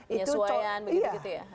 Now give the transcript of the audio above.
ya suayaan begitu ya